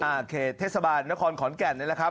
เขตเทศบาลนครขอนแก่นนี่แหละครับ